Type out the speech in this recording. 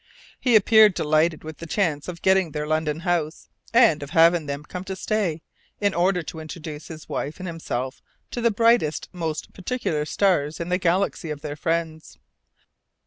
He appeared delighted with the chance of getting their London house, and of having them come to stay, in order to introduce his wife and himself to the brightest, most "particular" stars in the galaxy of their friends.